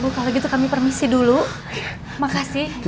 bu kalau gitu kami permisi dulu